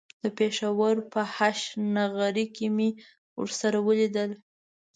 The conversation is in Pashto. د پېښور په هشنغرۍ کې مې ورسره وليدل.